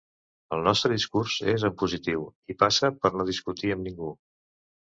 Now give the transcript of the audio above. El nostre discurs és en positiu i passa per no discutir amb ningú.